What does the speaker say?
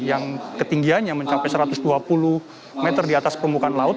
yang ketinggiannya mencapai satu ratus dua puluh meter di atas permukaan laut